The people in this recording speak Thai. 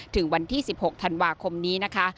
ถึงวันที่๑๖ธันวาคมนี้นะคะ